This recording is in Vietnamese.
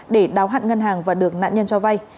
để đáo hạn ngân hàng và được nạn nhân cho vay